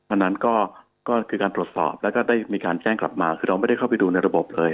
อันนั้นก็คือการตรวจสอบแล้วก็ได้มีการแจ้งกลับมาคือเราไม่ได้เข้าไปดูในระบบเลย